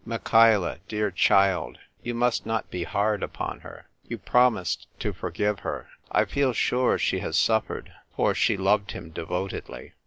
Michaela, dear child, you must not be hard upon her. You promised to forgive her. I feel sure she has suffered, for she loved him devotedly."